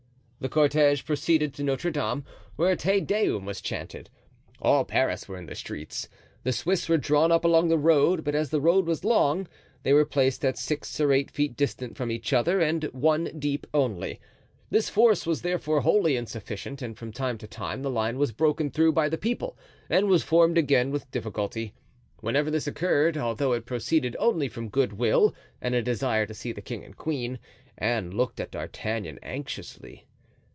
The cortege proceeded to Notre Dame, where a Te Deum was chanted. All Paris were in the streets. The Swiss were drawn up along the road, but as the road was long, they were placed at six or eight feet distant from each other and one deep only. This force was therefore wholly insufficient, and from time to time the line was broken through by the people and was formed again with difficulty. Whenever this occurred, although it proceeded only from goodwill and a desire to see the king and queen, Anne looked at D'Artagnan anxiously.